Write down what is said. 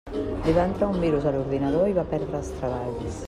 Li va entrar un virus a l'ordinador i va perdre els treballs.